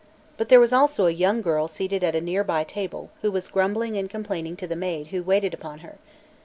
But there was also a young girl seated at a near by table who was grumbling and complaining to the maid who waited upon her.